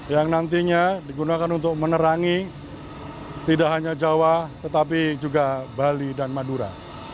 yang nantinya digunakan untuk menerangi tidak hanya jawa tetapi juga bali dan madura